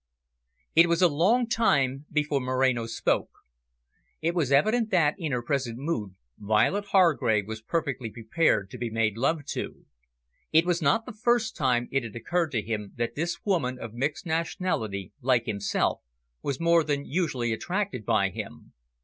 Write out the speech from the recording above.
It was a long time before Moreno spoke. It was evident that, in her present mood, Violet Hargrave was perfectly prepared to be made love to. It was not the first time it had occurred to him that this woman of mixed nationality like himself was more than usually attracted by him.